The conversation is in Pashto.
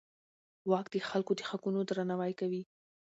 واک د خلکو د حقونو درناوی کوي.